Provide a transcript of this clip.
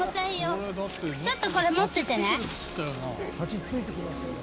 ちょっとこれ持っててね。